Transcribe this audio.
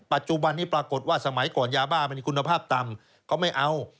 ปัจจุบันนี้ปรากฏว่าสมัยก่อนยาบ้ามันมีคุณภาพต่ำเขาไม่เอา